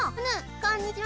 こんにちは。